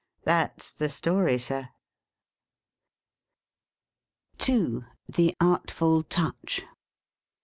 " That 's the story, Sir. II. THE ARTFUL TOUCH.